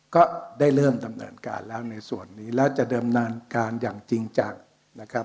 ก็ได้เริ่มดำเนินการแล้วในส่วนนี้แล้วจะเดิมเนินการอย่างจริงจังนะครับ